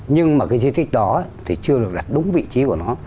nhưng mà cái di tích đó thì chưa được đặt đúng vị trí của nó